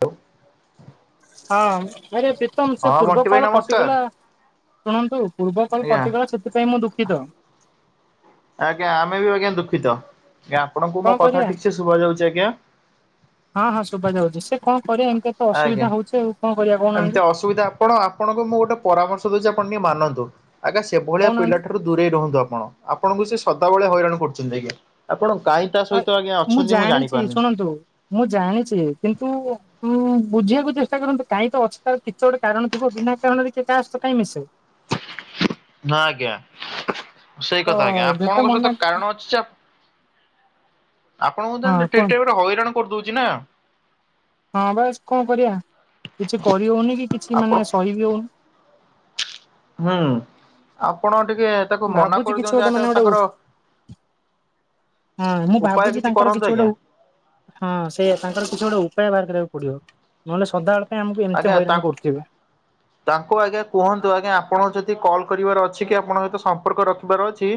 ତ ହଁ ହଇରେ ପ୍ରୀତମ ସେ ପୂର୍ବ ବଣ୍ଟି ଭାଇ କଲ୍ ନମସ୍କାର କଟିଗଲା। ଶୁଣନ୍ତୁ ପୂର୍ବ କଲ୍ ଆଜ୍ଞା କଟିଗଲା ସେଥିପାଇଁ ମୁଁ ଦୁଃଖିତ ଆଜ୍ଞା ଆମେ ବି ଆଜ୍ଞା ଦୁଃଖିତ। ଯେ ଆପଣଙ୍କୁ କଣ ମୋ କଥା କରିବା ଠିକ୍ ସେ ଶୁଭା ଯାଉଛି ଆଜ୍ଞା? ହଁ ହଁ ଶୁଭାଯାଉଛି ସେ କଣ କରିବା ଏମିତି ଏ ତ ଆଜ୍ଞା। ଅସୁବିଧା ହଉଛି ଆଉ କଣ କରିବା ଏମିତି କହୁନାହାନ୍ତି ଅସୁବିଧା ଆପଣ ଆପଣଙ୍କୁ ମୁଁ ଗୋଟେ ପରାମର୍ଶ ଦଉଛି ଆପଣ ଟିକେ ମାନନ୍ତୁ ଆଜ୍ଞା ସେଭଳିଆ କହୁନାହାନ୍ତି ପିଲାଠାରୁ ଦୂରେଇ ରୁହନ୍ତୁ ଆପଣ ଆପଣଙ୍କୁ ସେ ସଦାବେଳେ ହଇରାଣ କରୁଛନ୍ତି ଆଜ୍ଞା ଆପଣ କାହିଁକି ହ ମୁଁ ଜାଣିଛି ଶୁଣନ୍ତୁ ମୁଁ ଜାଣିଛି କିନ୍ତୁ ଉ ବୁଝିବାକୁ ଚେଷ୍ଟା କରନ୍ତୁ କାଇଁ ତ ଅଛି ତାର କିଛି ଗୋଟେ କାରଣ ଥିବ ବିନା କାରଣରେ କିଏ କାହା ସହିତ କାଇଁ ମିଶେ। ନା ଆଜ୍ଞା ତ ସେଇ କଥା ଆଜ୍ଞା ଯେତେ ଆପଣଙ୍କ ମନା ସହିତ କାରଣ ଅଛି ଯେ ଆପଣଙ୍କୁ ତାହେଲେ ହଁ ତ ଠିକ୍ କୁହନ୍ତୁ ଟାଇମ ରେ ହଇରାଣ କରିଦଉଛି ନା। ହଁ ବାସ୍ କଣ କରିବା କିଛି କରି ହଉନି କି କିଛି ଆପଣ ମାନେ ସହି ବିି ହଉନି। ହୁଁ ଆପଣ ଟିକେ ତାକୁ ମନା ଭାବୁଛି କିଛି କରିଦିଅନ୍ତୁ ଗୋଟେ ଆଜ୍ଞା ମାନେ ଗୋଟେ ତାଙ୍କର ହଁ ମୁଁ ଉପାୟ ଭାବୁଛି ତାଙ୍କର କିଛି କରନ୍ତୁ ଗୋଟେ ଆଜ୍ଞା। ଉ ହଁ ସେଇଆ ତାଙ୍କର କିଛି ଗୋଟେ ଉପାୟ ବାହାର କରିବାକୁ ପଡିବ ନହେଲେ ସଦାବେଳେ ପାଇଁ ଆମକୁ ଏମିତି ଆଜ୍ଞା ତା ହଇରାଣ କରୁଥିବେ। ତାଙ୍କୁ ଆଜ୍ଞା କୁହନ୍ତୁ ଆଜ୍ଞା ଆପଣଙ୍କ ଯଦି ଯଦି କଲ୍ କରିବାର ଅଛି କି ଆପଣଙ୍କ ସହିତ ସମ୍ପର୍କ ରଖିବାର ଅଛି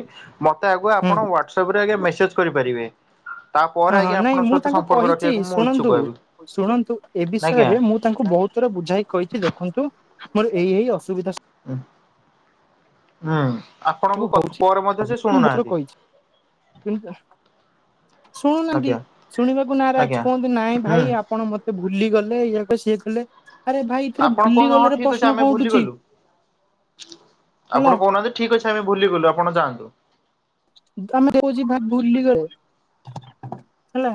ମତେ ଆଗ ଆପଣ ହ୍ବାଟ ହ୍ବାଟସପ୍ ପରେ ଆଜ୍ଞା ମେସେଜ୍ କରିପାରିବେ। ତାପରେ ହ ହଁ ହଁ ଆଜ୍ଞା ନାଇଁ ଆପଣଙ୍କ ମୁଁ ସହିତ ତାଙ୍କୁ ସମ୍ପର୍କ କହିଛି ରଖିବାକୁ ମୁଁ ଇଚ୍ଛୁକ ଶୁଣନ୍ତୁ ହେବି ଶୁଣନ୍ତୁ ଏ ଆଜ୍ଞା। ବିଷୟରେ ମୁଁ ତାଙ୍କୁ ବହୁତ ଥର ବୁଝାଇ କହିଛି ଦେଖନ୍ତୁ ମୋର ଏଇ ଏଇ ଅସୁବିଧା ହୁଁ ହୁଁ ସବୁ ଆପଣଙ୍କୁ ହଉଛି। ପରେ ମଧ୍ୟ ସେ ମୁଁ ବହୁତ ଥର ଶୁଣୁନାହାନ୍ତି। କହିଛି କିନ୍ତୁ ଶୁଣୁନାହାନ୍ତି ଆଜ୍ଞା ଶୁଣିବାକୁ ନାରାଜ୍ ଆଜ୍ଞା। କୁହନ୍ତି ନାଇଁ ହୁଁ ଭାଇ ଆପଣ ମ ଭୁଲି ଗଲେ ଇଏ ବେ ସିଏ କଲେ। ଆରେ ଭାଇ ଏଥିରେ ଆପଣ କଣ ଭୁଲି ହଁ ଗଲେର ଠିକ ଅଛି ପ୍ରଶ୍ନ ଆମେ କୋଉଠୁଛି ଭୁଲିଗଲୁ। ହେଲା। ଠିକ୍ ଅଛି ଆମେ ଭୁଲିଗଲୁ ଆପଣ ଯାଆନ୍ତୁ ଆମେ କୋଉଚି ଭୁଲିଗଲେ ହେଲା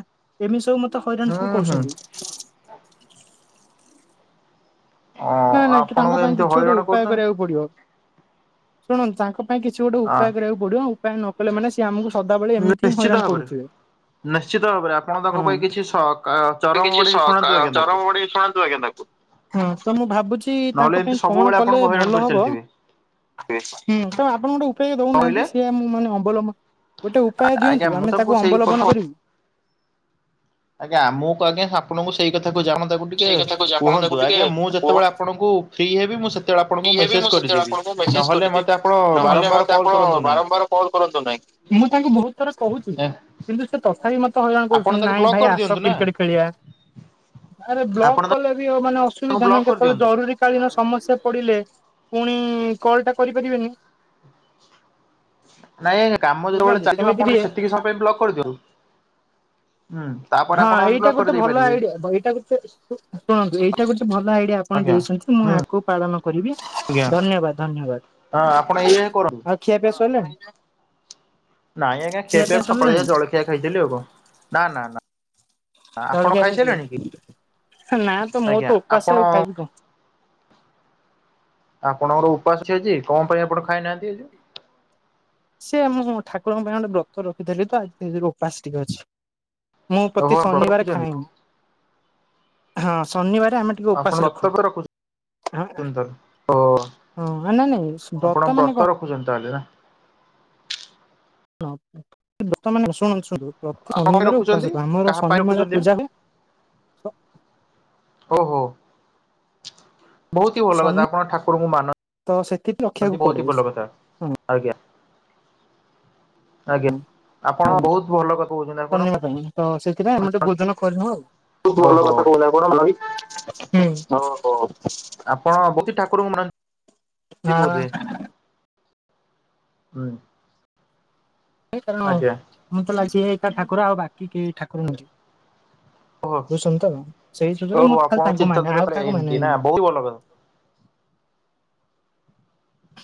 ଏମିତି ସବୁ ମ ତ ହୁଁ ହଇରାଣ ସବୁ ହୁଁ। କରୁଛନ୍ତି। ଅ ନାଇଁ-ନାଇଁ କି ତାଙ୍କ ଆପଣଙ୍କୁ ପାଇଁ ଏମିତି କିଛି ଗୋଟେ ହଇରାଣ ଉପାୟ କରୁଛନ୍ତି କରିବାକୁ ପଡିବ। ଶୁଣନ୍ତୁ ତାଙ୍କ ପାଇଁ କିଛି ଗୋଟେ ଆ ଉପାୟ କରିବାକୁ ପଡ଼ିବ ଆଉ। ଉପାୟ ନ କଲେ ମାନେ ସିଏ ଆମକୁ ସଦାବେଳେ ଏମିତି ହିଁ ନିଶ୍ଚିତ ହଇରାଣ ଭାବରେ। କରୁଥିବେ। ନିଶ୍ଚିତ ଭାବରେ ଆପଣ ତାଙ୍କ ହଁ। ପାଇଁ କିଛି ସ ଅ କିଛି ସ ଚରମବଢେଇକି ଶୁଣନ୍ତୁ ଆଜ୍ଞା ତାକୁ। ଚରମଗଡି ଶୁଣାନ୍ତୁ ଆଜ୍ଞା ତାକୁ, ହୁଁ ମୁଭାବୁଛି ନହେଲେ ତାଙ୍କ ଏମିତି ପାଇଁ କଣ ସବୁବେଳେ କଲେ ଆପଣଙ୍କୁ ହଇରାଣ ଭଲ କରି ହବ। ଚାଲିଥିବେ ହୁଁ ତ ଆପଣ ଗୋଟେ ଉପାୟ ଦୋଉନାହାଁନ୍ତି କହିଲେ ସିଏ ମୁଁ ମାନେ ଅବଲମ୍ବ ଗୋଟେ ଉପାୟ ଦିଅନ୍ତୁ ଆଜ୍ଞା ମୁଁ ଆମେ ତାଙ୍କୁ ତାକୁ ସେଇ ଅମ୍ବଲବନ କଥା କରିବୁ। ଆଜ୍ଞା ଆମୁକୁ ଆଜ୍ଞା ଆପଣଙ୍କୁ ସେଇ କଥା କହୁଛି ଆପଣ ତାକୁ ଟିକେ ସେଇ କଥା କହୁଛି ଆପଣ ତାକୁ କୁହନ୍ତୁ ଟିକେ ଆଜ୍ଞା ମୁଁ କୁହ ଯେତେବେଳେ ଆପଣଙ୍କୁ ଫ୍ରି ହେବି ମୁଁ ସେ ତେଳେ ଆପଣଙ୍କୁ ଇଏ ବି ମୁଁ ମେସେଜ୍ ସେତେବେଳେ କରିଦେବି ଆପଣଙ୍କୁ ମେସେଜ ନହେଲେ କରିଦେବି ମତେ ଆପଣ ନହେଲେ ବାରମ୍ବାର ମତେ କଲ୍ ଆପଣ କରନ୍ତୁ ନାହିଁ। ବାରମ୍ବାର କଲ୍ କରନ୍ତୁ ନାଇଁ ମୁଁ ତାଙ୍କୁ ବହୁତ୍ ଥର କୋହୁଚି। କିନ୍ତୁ ସେ ତଥାପି ମତେ ହଇରାଣ ଆପଣ କରୁଛନ୍ତି ତାକୁ ନାଇଁ ବ୍ଲକ୍ ଭାଇ ଆସ କରିଦିଅନ୍ତୁ ନା କ୍ରିକେଟ୍ ଖେଳିଆ। ଆରେ ବ୍ଲକ୍ ଆପଣ କଲେ ବି [unintelligible] ମାନେ ତାକୁ ଅସୁବିଧା ନା ବ୍ଲକ୍ କେତବେଳେ କରିଦିଅନ୍ତୁ। ଜରୁରୀ କାଳୀନ ସମସ୍ୟା ପଡିଲେ ପୁଣି କଲ୍ ଟା କରିପାରିବେନି। ନାଇଁ ଆଜ୍ଞା କାମ ଯେତେବେଳେ ବୁଝୁଛନ୍ତି ଚାଲିଥିବ ସେମିତି ଆପଣ ଟିକେ ସେତିକି ସମୟ ପାଇଁ ବ୍ଲକ୍ କରିଦିଅନ୍ତୁ ହୁଁ। ତାପରେ ହଁ ଆପଣ ଏଇଟା ଅନବ୍ଲକ୍ ଗୋଟେ କରିଦେଇ ଭଲ ପାରିବେ ଆଇଡିଆ ଏଇଟା ଗୋଟେ ଶୁଣନ୍ତୁ ଏଇଟା ଗୋଟେ ଭଲ ଆଇଡିଆ ଆପଣ ଆଜ୍ଞା ଦେଇଛନ୍ତି ମୁଁ ହୁଁ ଆକୁ ପାଳନ କରିବି ଆଜ୍ଞା। ଧନ୍ୟବାଦ୍। ଆଁନ୍ୟାବାଦ୍। ହଁ ଆପଣ ଏୟା କର ଆଉ ଖିଆପିଆ ସଇଲାଣି? ନାଇଁ ଆଜ୍ଞା ଖିଆପିଆ ସକାଳେ ସରିଲାଣି ଯାହା ଜଳଖିଆ ଖାଇଥିଲି ଆଉ କଁ ନା-ନା-ନା। ଆପଣ ଜଳଖିଆ ଖାଇକି? ଖାଇସାଇଲେଣି କି? ନା ତ ମୁଁ ଆଜ୍ଞା ତ ଆପଣ ଉପାସେ ଆଉ ଖାଇବି କଁ। ଆପଣଙ୍କର ଉପାସ୍ ଅଛି ଆଜି କଁ ପାଇଁ ଆପଣ ଖାଇନାହାଁନ୍ତି? ସିଏ ମୁଁ ଆଉ ମୁଁ ଠାକୁରଙ୍କ ପାଇଁ ଗୋଟେ ବ୍ରତ ରଖିଥିଲି ତ ଆଜି ସେ ଉପାସ୍ ଟିକେ ଅଛି। ମୁଁ ଓହୋ ପ୍ରତି ବ୍ରତ ଶନିବାରେ ରଖୁଛନ୍ତି ଖାଅଁ ହଁ ଶନିବାରେ ଆମେ ଟିକେ ଆପଣ ଓପାସ ବ୍ରତ ରଖୁ ବି ରଖୁଛନ୍ତି ହଁ, ତାହେଲେ ଓ ହଁ ନାଁ ନାଇଁ। ଆପଣ ମାନେ କଣ? ବ୍ରତ ରଖୁଛନ୍ତି ତାହେଲେ ନା? ହଁ ବର୍ତ୍ତମାନ ଶୁଣନ୍ତୁ-ଶୁଣନ୍ତୁ ପ୍ରତି ଆପଣ ପାଇଁ ଶନିବାର ରଖୁଛନ୍ତି ଉପାସିତ ଆମର ଶନି ମେଳା ପୂଜାରେ ଯୋଉ ଯୋଉ। ବୋହୁତି ହି ଭଲ ଶନି କଥା ଆପଣ ଠାକୁରଙ୍କୁ ତ ସେଥିପାଇଁ ରଖିବାକୁ ମାନନ୍ତି ପଡେ। ବୋହୁତି ହି ଭଲ କଥା ଆଜ୍ଞା। ଆଜ୍ଞା ଆପଣ ବୋହୁତ୍ ଭଲ କ ଶୁନିବା ପାଇଁ ତ ସେଥିପାଇଁ ଆମେ ଯୋଉ ଭୋଜନ କରିବୁ ଆଉ ଭଲ ଓହୋ କଥା [unintelligible] ଆପଣଙ୍କ ପ୍ରତି ଠାକୁରଙ୍କୁ ମା ନ୍ତି ବୋଧେ? ହଁ ହୁଁ। ଏ କାରଣ ଆଜ୍ଞା। ମୁଁ ତ ଲାଗଛି ଏକା ଠାକୁର ଆଉ ବାକି କେହି ଠାକୁର ନୁହେଁ। ବୁସନ୍ତ ସେଇ ସୁବୁରୁ ମୁଁ ତ ଖାଲି ତାଙ୍କୁ ମାନେ ଆଉ କାହାକୁ ମାନେ ନେଇ। ବହୁତ୍ ଭଲ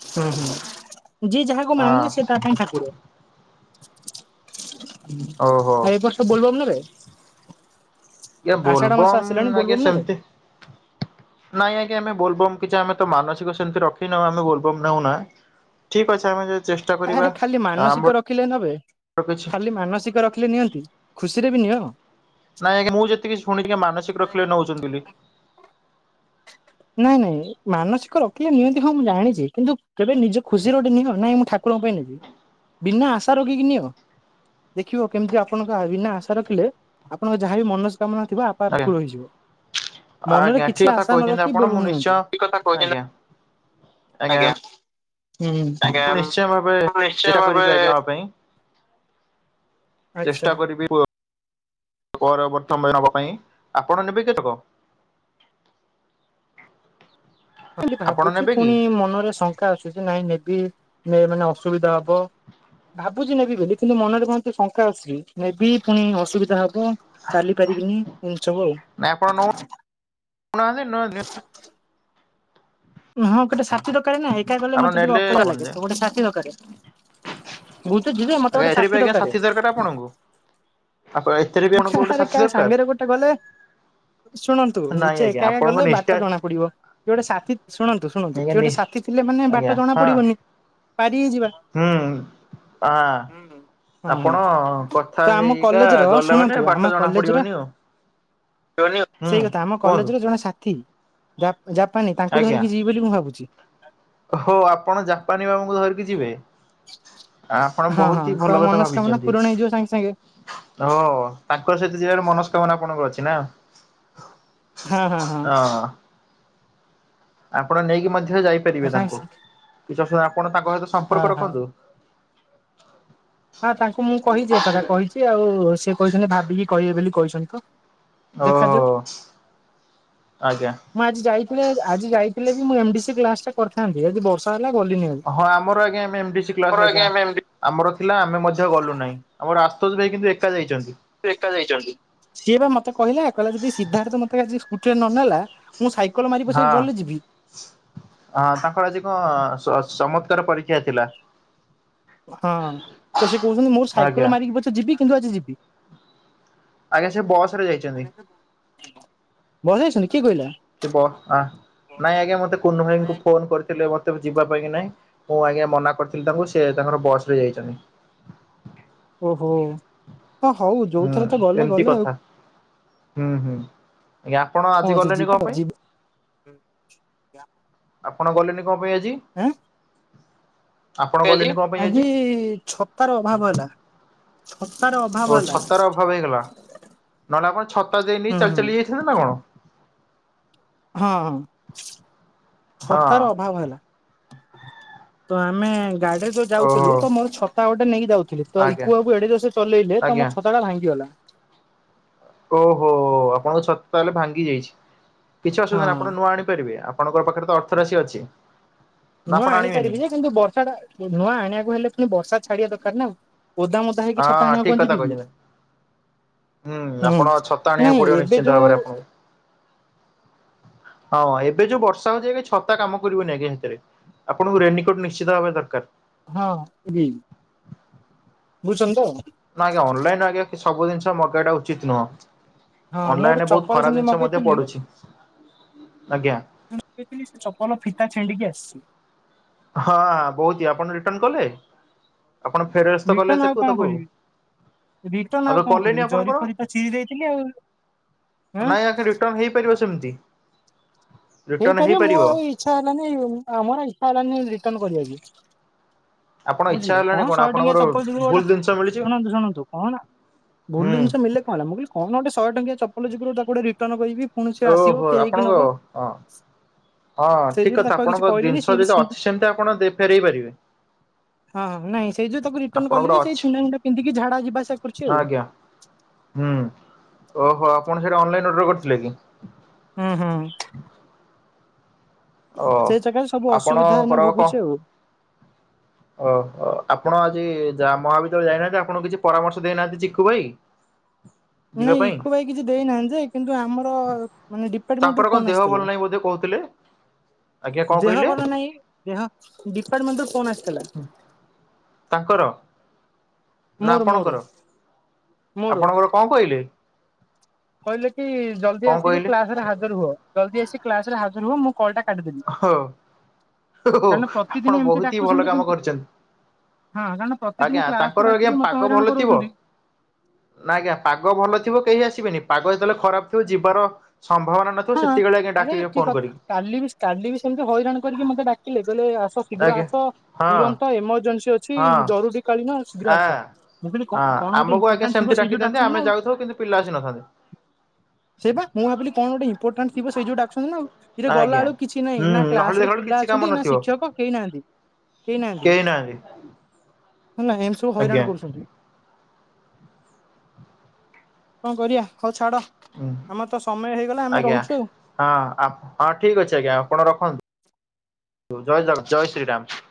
ହୁଁ ହୁଁ ଯିଏ ଯାହାକୁ ମାନିଲା ସେ ତା ପାଇଁଁ ଠାକୁର। ହଁ ଓହୋ। ଆ ଏ ବର୍ଷ ବୋଲ୍ ବମ୍ ନେବେ? ଇଏ ଆଷାଢ ମାସ ବୋଲବମ୍ ଆସିଲାଣି ଆଜ୍ଞା ବୋଲବମ୍ ନେବେ ସେମିତି। ନାଇଁ ଆଜ୍ଞା ଆମେ ବୋଲବମ୍ କିଛି ଆମେ ତ ମାନସିକ ସେମିତି ରଖିନଉ ଆମେ ବୋଲବମ୍ ନଉନା। ଠିକ୍ ଅଛି ଆମେ ଯେ ଆରେ ଖାଲି ମାନସିକ ରଖିଲେ ନବେ କିଛି ଖାଲି ମାନସିକ ରଖିଲେ ନିଅନ୍ତି। ଖୁସିରେ ବି ନିଅ। ନାଇଁ ଆଜ୍ଞା ମୁଁ ଯେତିକ ଶୁଣି ଟି ମାନସିକ ରଖିଲେ ନେଉଚନ୍ତି ନାଇଁ ବୋଲି। ନାଇଁ ନାଇଁ ମାନସିକ ରଖିଲେ ନିଅନ୍ତି ହଁ ମୁଁ ଜାଣିଛି କିନ୍ତୁ କେବେ ନିଜ ଖୁସିର ଗୋଟେ ନିଅ ନାଇଁ ମୁଁ ଠା ଠାକୁରଙ୍କ ପାଇଁ ନେବି ବିନା ଆଶା ରଖିକି ନିଅ। ଦେଖିବ କେମିତି ଆପଣଙ୍କ ବିନା ଆଶା ରଖିଲେ ଆପଣଙ୍କ ଯାହାବି ମନସ୍କାମନା ଥିବ ଆପ୍ ବା ଆଜ୍ଞା ପୁର ହେଇଯିବ ମନରେ ଆଜ୍ଞା ଠିକ କିଛି କଥା ଆସା ନ କହିଛନ୍ତି ର ଆପଣ ବୋଲ ବମ୍ ମୁଁ ନିଅନ୍ତୁ ନିଶ୍ଚୟ ଠିକ୍ କଥା କହିଚନ୍ତି ଆଜ୍ଞା ନା ଆଜ୍ଞା ହୁଁ।। ଆଜ୍ଞା ମୁଁ ନିଶ୍ଚୟ ଭାବେ ଉ ନିଶ୍ଚୟ ଚେଷ୍ଟା ଭାବେ। କରିବି ଆଜ୍ଞା ନବା ପାଇଁ ଆଚ୍ଛା ଚେଷ୍ଟା କରିବି ପର ପ୍ରର୍ତ୍ତମ ନବା ପାଇଁ ଆପଣ ନେବେ କେତକ? ବୋଲି ଆପଣ ଭାବୁଛି ନେବେ କି ପୁଣି ମନରେ ଶଙ୍କା ଆସୁଛି ନାଇଁ ନେବି ନେ ମାନେ ଅସୁବିଧା ହବ। ଭାବୁଛି ନେବି ବୋଲି କିନ୍ତୁ ମନରେ କହନ୍ତି ଶଙ୍କା ଆସିଚି ନେବି ପୁଣି ଅସୁବିଧା ହବ। ଚାଲି ପାରିବିନି ଏ ସବୁ ଆଉ। ନା ଆପଣ ନଉ ନାହାନ୍ତି ନ ନିଅ। ହଁ ଗୋଟେ ସାଥି ଦରକାରେ ନା ଏକା ଗଲେ ଆପଣ ମତେ ଟିକେ ନେଲେ ଅକଳିଆ ଆପଣ ଯେ ଲାଗେ ଗୋଟେ ସାଥି ଦରକାର। ମୁଁ ତ ଯିବି ମତେ ଆଜ୍ଞା ଗୋଟେ ଏଥିରେ ବି ଆଜ୍ଞା ସାଥି ଦରକାର ଆପଣଙ୍କୁ ଆପ ଏ ଆହାରେ କା ସାଙ୍ଗରେ ଗୋଟେ ଗଲେ। ଶୁଣନ୍ତୁ ନାଇଁ ନିଜେ ଆଜ୍ଞା ଏକା ଏକା ଆପଣଙ୍କ ଗଲେ ନିଷ୍ଠା ବାଟ ଜଣା ପଡିବ କିଏ ଗୋଟେ ସାଥି ଶୁଣନ୍ତୁ ଶୁଣନ୍ତୁ ଆଜ୍ଞା କିଏ ନି ଗୋଟେ ସାଥି ଥିଲେ ମାନେ ଆଜ୍ଞା ବାଟ ଜଣା ହଁ ପଡିବନି ପାରି ହେଇଯିବା। ହୁଁ ଆ ହଁ ହଁ ଆପଣ କଥା ହେଇିକା ଗଲେ ମାନେ ତୁ ବାଟ ଆମ ଜଣା କଲେଜର ପଡିବନି ଆଉ। [unintelligible] ହୁଁ ସେଇକଥା ଆମ କୁହନ୍ତୁ କଲେଜର ଜଣେ ସାଥି ଜାପା ଜାପାନୀ ତାଙ୍କୁ ଧରିକି ଯିବି ବୋଲି ମୁଁ ଭାବୁଛି। ହଉ ଆପଣ ଜାପାନୀ ବାବୁଙ୍କୁ ଧରିକି ଯିବେ। ଆପଣ ହଁ ହଁ ବହୁତି ତ ଭଲ କଥା ମନସ୍କାମନା ଭାବିଚନ୍ତି। ପୂରଣ ହେଇଯିବ ସାଙ୍ଗେ ସାଙ୍ଗେ ଓ ତାଙ୍କ ସହିତ ଯିବାର ମନସ୍କାମନା ଆପଣଙ୍କର ଅଛି ନା। ହଁ ହଁ ହଁ। ଆପଣ ନେଇକି ମଧ୍ୟ ଯାଇପାରିବେ ତାଙ୍କୁ ସାଙ୍ଗେ କିଛି ଅୁବିଧା ଆପଣ ତାଙ୍କ ସହିତ ହଁ ସମ୍ପର୍କ ହଁ ରଖନ୍ତୁ। ନା ତାଙ୍କୁ ମୁଁ କହିଚି ଏକଥା କହିଚି ଆଉ ସେ କହିଛନ୍ତି ଭାବିକି କହିବେ ବୋଲି କହିଛନ୍ତି ତ। ଓ ଦେଖାଯାଉ ଆଜ୍ଞା। ମୁଁ ଆଜି ଯାଇଥିଲେ ଆଜି ଯାଇଥିଲେ ବି ମୁଁ ଏମଡି ସି କ୍ଲାସ ଟା କରିଥାନ୍ତି ଆଜି ବର୍ଷ ବର୍ଷା ହେଲା ଗଲିନି ଅ ହଁ ଆମର ଆଜ୍ଞା ଏମେ ଏଡିସି କ୍ଲାସ ଆଜ୍ଞା। ଏମ ଡି ଆମର ଥିଲା ଆମେ ମଧ୍ୟ ଗଲୁ ନାଇଁ ଆମର ଆସ୍ତୋଜ ଭାଇ କିନ୍ତୁ ଏକା ଯାଇଚନ୍ତି। ଏକା ଯାଇଚନ୍ତି ସିଏ ବା ମତେ କହିଲା କହିଲା ଯଦି ସିଦ୍ଧାର୍ଥ ମତେ ଆଜି ସ୍କୁଟିରେ ନ ନେଲା। ମୁଁ ସାଇକଲ ମାରି ପଛେ ଗଲେ ଯିବି। ହାଁ ତାଙ୍କର ଆଜି କ ଚ ଚମତ୍କାର ପରୀକ୍ଷା ଥିଲା। ହଁ ତ ସେ କହୁଛନ୍ତି ମୋର ସାଇକଲ ଆଜ୍ଞା ମାରିକି ପଛେ ଯିବି କିନ୍ତୁ ଆଜି ଯିବି। ଆଜ୍ଞା ସେ ବସ ରେ ଯାଇଛନ୍ତି [unintelligible] ଏବ ବର୍ଷା ନାଇଁ ଆଜ୍ଞା ମତେ କୁନୁ ଭାଇଙ୍କୁ ଫୋନ କରିଥିଲେ ମତେ ଯିବା ପାଇଁ କି ନାଇଁ? ମୁଁ ଆଜ୍ଞା ମନା କରିଥିଲି ତାଙ୍କୁ ସେ ତାଙ୍କର ବସ ରେ ଯାଇଚନ୍ତି। ଓହୋ ହ ହଉ ହୁଁ ଯୋଉଥିରେ ତ ଗଲେ ଏମିତି ଗଲେ ଆଉ। କଥା ହୁଁ ହୁଁ ଆଜ୍ଞା ଆପଣ କଣ ଆଜି ଅଛି ଗଲେଣିି କଣ ଯିବା ପାଇଁ? ଯିବା। ଆପଣ ଗଲେନି କଣ ପାଇଁ ଆଜି? ଆଁ ଆପଣ ଗଲେନି କଣ ପାଇଁ ଆଜି ଛତାର ଅଭାବ ହେଲା ଛତାର ଅଭାବ ଓ ହେଲା ଛତାର ଅଭାବ ହେଇଗଲା ନହେଲେ ଆପଣ ଛତା ଦେଇ ନେଇ ହୁଁ ଚାଲି ହୁଁ ଚାଲି ଯାଇନ୍ତେ ନା କଣ? ହଁ ହଁ ଛତାର ଅଭାବ ହେଲା। ତ ଆମେ ଗାଡିରେ ଯୋଉ ଯାଉଥିଲୁ ଓହୋ ତ ମୋର ଛତା ଗୋଟେ ନେଇକି ଯାଉଥିଲୁ। [unintelligible] ତ ଆଜ୍ଞା ଇକୁୁଆକୁ ଏଡେ ଯ ସେ ଚଲେଇଲେ ଆଜ୍ଞା ତୋର ଛତାଟା ଭାଙ୍ଗିଗଲା। ଓହୋ ଆପଣଙ୍କ ଛତ ତାହେଲେ ଭାଙ୍ଗି ଯାଇଛି କିଛି ଅସୁବିଧା ନାହିଁ ହଁ। ଆପଣ ନୂଆ ଆଣିପାରିବେ ଆ ଆପଣଙ୍କ ପାଖରେ ତ ଅର୍ଥ ରାଶି ଅଛି। ନା ନୂଆ ଆପଣ ଆଣିବେନି? ଆଣିପାରିବି ଯେ କିନ୍ତୁ ବର୍ଷା ଟା ନୂଆ ଆଣିବାକୁ ହେଲେ ପୁଣି ବର୍ଷା ଛାଡିବା ଦରକାର ନା ଗୋଦାମ ହଁ ଠିକ କଥା କହୁଛନ୍ତି। ହୁଁ ଆପଣ ଛତା ଆଣିବାକୁ ନାଇଁ ପଡିବ ଏବେ ନିଶ୍ଚିନ୍ତ ଯୋଉ ଭାବରେ ଆପଣଙ୍କୁ। ହଁ ଏବେ ଜଉ ବର୍ଷା ହଉଚି ଏବେ ଛତା କାମ କରିବନି ଆଞା ହେଥିରେ। ଆପଣଙ୍କୁ ରେନିକୋଟ୍ ନିଶ୍ଚିତ ଭାବରେ ଦରକାର। ହଁ ରିଲ୍। ବୁଝୁଛନ୍ତି ତ? ନା ଆଜ୍ଞା ଅନଲାଇନରୁ ଆଜ୍ଞା ସବୁ ଜିନଷ ମଗେଇବା ଟା ଉଚିତ ନୁହଁ। ହଁ ମୁଁ ଗୋଟେ ଅନଲାଇନରେ ବହୁତ ଚପଲ ଖରାପ ସେମିତି ଜିନିଷ ମଧ୍ୟ ମଗେଇଥିଲି ପଡୁଛି। ଆଜ୍ଞା। ତ କହିଥିଲି ସେ ଚପଲ ଫିତା ଛିଣ୍ଡିକି ଆସିଛି। ହଁ ବହୁତ ଆପଣ ରିଟର୍ଣ କଲେ ଆପଣ ଫେରସ୍ତ କଲେ ସେଠୁ ତାକୁ? ରିଟନ ଆଉ କଣ କଲେନି କରିବି ଜରି ଆପଣଙ୍କର ଫରି ତ ଚିରି ଦେଇଥିଲି ଆଉ। ହଁ ହେଇ ପାରିବ ସେମିତି। ହେଇପାରିବ ମୁଁ ଆଉ ଇଛା ହେଲାନି ଆମର ଇଛା ହେଲାନି ରିଟର୍ଣ କରିବାକୁ। ଆପଣ ଇଚ୍ଛା ବୁଝିଲେ ହେଲାଣି କଣ ଶହେ ଟଙ୍କିଆ ଆପଣଙ୍କର ଚପଲ ଯିବୁ ଭୁଲ ଗୋଟେ ଜିନିଷ ମିଳିଛି ଶୁଣନ୍ତୁ ଶୁଣନ୍ତୁ କହୁନା। ଭୁଲ ହୁଁ ଜିନିଷ ମିଳିଲେ କଣ ହେଲା ମୁଁ କହିଲି କଣ ଗୋଟେ ଶହେ ଟଙ୍କିଆ ଚପଲ ଯିବୁ ତାକୁ ଗୋଟେ ରିଟନ କିରିବି। ପୁଣି ସେ ଆସିବ ଓହୋ ଫେରେଇକି ଆପଣଙ୍କ ନବ। ହଁ ହଁ ସେଇ ଠିକ ଯୋଗୁରୁ କଥା ତାକୁ ଆଉ କିଛି ଆପଣଙ୍କ କହିଲିନି ଜିନିଷ ସିଏ ଯଦି ଛି ଅଛି ସେମିତି ଆପଣ ଦେ ଫେରଇ ପାରିବେ। ହଁ ନାଇଁ ସେ ଜଉ ତାକୁ ରିଟର୍ନ ଆପଣଙ୍କର କଲିନି ସେଇ ଅଛି ଛିଣ୍ଡା ମିଣ୍ଡା ପିନ୍ଧିକି ଝାଡା ଯିବା ଆସିଵା କରୁଚି ହଁ ଆଉ। ଆଜ୍ଞା ହୁଁ ଓହୋ ଆପଣ ସେଇଟା ଅନଲାଇନ୍ ଅର୍ଡର କରିଥିଲେ କି? ହୁଁ ହୁଁ। ଓ ସେଇ ଜାଗାରେ ସବୁ ଅସୁବିଧା ଆପଣଙ୍କର ଏଇନା କଣ ଭୋଗୁଚି ଆଉ। ଓହୋ ଆପଣ ଆଜି ଯା ମହାବିଦ୍ୟାଳୟ ଯାଇନାହାନ୍ତି ଆପଣଙ୍କୁ କିଛି ପରାମର୍ଶ ଦେଇନାହାନ୍ତି ଚିକୁ ଭାଇ? ଯିବା ନାଇଁ ପାଇଁ ଇକୁ ଭାଇ କିଛି ଦେଇନାହାନ୍ତି ଯେ କିନ୍ତୁ ଆମର ମାନେ ଡିପାର୍ଟମେଣ୍ଟ ତାଙ୍କର ରୁ କଣ ଫୋନ ଦେହ ଆସିଛି। ଭଲ ନାହିଁ ବୋଧେ କହୁଥିଲେ। ଆଜ୍ଞା କଣ ଦେହ କହିଲେ ଭଲ ନାଇଁ ଦେହ ଡିପାର୍ଟମେଣ୍ଟରୁ ଫୋନ ଆସିଥିଲା। ତାଙ୍କର ନା ମୋର ମୋର ଆପଣଙ୍କର ମୋର ଆପଣଙ୍କର କଣ କହିଲେ? କହିଲେ କି ଜଲ୍ଦି କଣ ଆସିକି କହିଲେ? କ୍ଲାସ ହାଜର ହୁଅ ଜଲ୍ଦି ଆସି କି କ୍ଲାସ ହାଜର ହୁଅ ମୁଁ କଲ୍ ଟା କାଟିଦେଲି। ଓହୋ କାରଣ ଆପଣ ପ୍ରତିଦିନ ଏମିତି ବହୁତି ହି ଭଲ ଡାକୁଛନ୍ତି କିନ୍ତୁ କାମ କରିଚନ୍ତି। ହଁ କାରଣ ପ୍ରତିଦିନ ଆଜ୍ଞା କ୍ଲାସ କୁ ତାଙ୍କର ଆଜ୍ଞା ଡାକିକି ମତେ ପାଗ ହଇରାଣ ଭଲ ଥିବ। କରଉଛନ୍ତି ନା ଆଜ୍ଞା ପାଗ ଭଲ ଥିବ କେହି ଆସିବେନି ପାଗ ଯେତେବେଳେ ଖରାପ ଥିବ ଯିବାର ସମ୍ଭାବନା ନଥିବ। ହଁ ସେତିକି ବେଳେ ଆଜ୍ଞ୍ୟା ଆରେ ଡାକିବେ ଠିକ ଫୋନ କଥା କରିକି। କାଲି ବି କାଲି ବି ସେମିତି ହଇରାଣ କରିକ ମୋତେ ଡାକିଲେ କହିଲେ ଆସ ଶୀଘ୍ର ଆଜ୍ଞା ଆସ ହଁ ତୁରନ୍ତ ଏମରଜେନ୍ସି ଅଛି ଜରୁରୀ କାଳୀନ। ଶୀଘ୍ର ଆସ ହଁ। ମୁଁ କହିଲି କଣ ହଁ କଣ ଗୋଟେ ଆମକୁ ଆଜ୍ଞା ଇମ୍ପୋର୍ଟାଣ୍ଟ ଥିବ ସେମିତି ସେଇ ଯୋଉ ଡାକି ଦିଅନ୍ତି ଡାକୁଛନ୍ତି ନା ଆମେ ଆଉ ଯାଉଥାଉ କିନ୍ତୁ ପିଲା ଆସି ନଥାନ୍ତି। ସେଇ ବା ମୁଁ ଭାବିଲି କଣ ଗୋଟେ ଇମ୍ପୋଟାନସ ଥିବ ସେଇ ଯୋଗୁ ଡାକୁ ଛନ୍ତି ନା ଆଉ। ଏ ଗଲା ଆଜ୍ଞା। ବେଳୁ କିଛି ନାହିଁ ହୁଁ ନା ନହେଲେ କ୍ଲାସ ଦେଖିଲା ରେ ବେଳକୁ ପିଲା କିଛି କାମ ଅଛନ୍ତି ନା ନଥିବ ଶିକ୍ଷକ କେହି ନାହାନ୍ତି। କେହି ନାହାନ୍ତି। ନା ହେମିତି ସବୁ ଆଜ୍ଞା ହଇରାଣ କରୁଛନ୍ତି। କଣ କରିବା ହଉ ଛାଡ ହୁଁ। ଆମର ତ ସମୟ ହେଇଗଲା ଆମେ ଆଜ୍ଞା ରହୁଛୁ ଆଉ। ହଁ ହଁ ଠିକ୍ ଅଛି ଆଜ୍ଞା ଆପଣ ରଖନ୍ତୁ ଜୟ ଜଗନ୍ନାଥ ଜୟ ଶ୍ରୀରାମ।